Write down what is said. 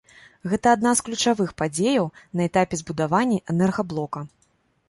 Гэта адна з ключавых падзеяў на этапе збудавання энергаблока.